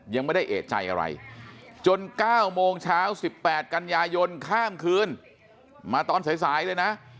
ยังไม่ได้เอกใจอะไรจน๙โมงเช้า๑๘กันยายนข้ามคืนมาตอนสายเลยนะ